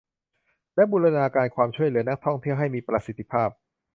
และบูรณาการความช่วยเหลือนักท่องเที่ยวให้มีประสิทธิภาพ